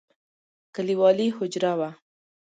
کليوالي حجره وه.